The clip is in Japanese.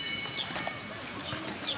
こんにちは！